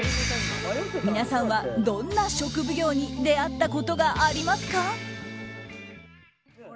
皆さんは、どんな食奉行に出会ったことがありますか？